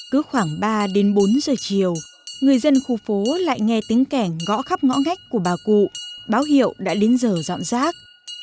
cứ khoảng ba đến bốn giờ chiều người dân khu phố lại nghe tiếng kẻng gõ khắp ngõ ngách của bà cụ báo hiệu đã đến giờ dọn rác